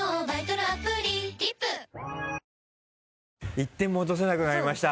１点も落とせなくなりました。